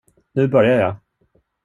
Nu börjar jag.